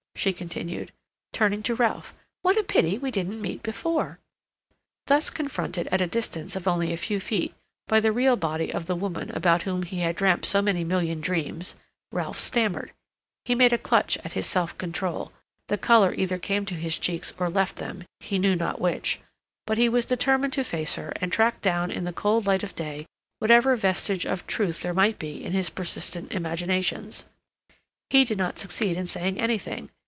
she continued, turning to Ralph. "What a pity we didn't meet before." Thus confronted at a distance of only a few feet by the real body of the woman about whom he had dreamt so many million dreams, Ralph stammered; he made a clutch at his self control; the color either came to his cheeks or left them, he knew not which; but he was determined to face her and track down in the cold light of day whatever vestige of truth there might be in his persistent imaginations. He did not succeed in saying anything.